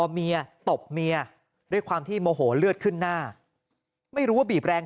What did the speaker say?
เมียตบเมียด้วยความที่โมโหเลือดขึ้นหน้าไม่รู้ว่าบีบแรง